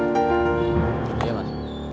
gak ada yang bisa liat